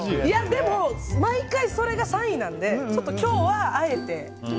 でも、毎回それが３位なので今日は、あえて。